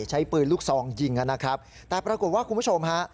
ใช้ปืนลูกซองยิงนะครับแต่ปรากฏว่าคุณผู้ชมฮะ